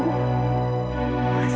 ada tetgency semua